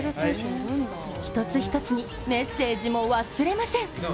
一つ一つにメッセージも忘れません。